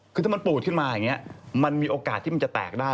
คือถ้ามันปูดขึ้นมาอย่างนี้มันมีโอกาสที่มันจะแตกได้